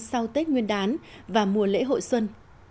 sau tết nguyên đán và mùa lễ hội xuân